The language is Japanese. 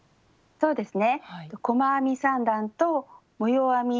そうですね。